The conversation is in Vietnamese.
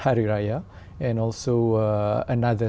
chúng ta gọi nó là ngày tết